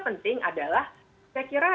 penting adalah saya kira